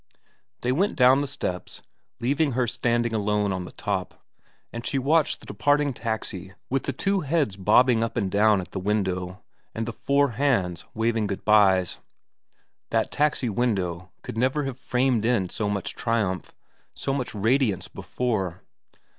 They went down the steps, leaving her standing alone on the top, and she watched the departing taxi with the two heads bobbing up and down at the window and the four hands waving good byes. That taxi window could never have framed in so much triumph, so much radiance before.